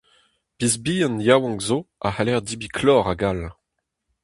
Piz-bihan yaouank zo a c'haller debriñ klor hag all.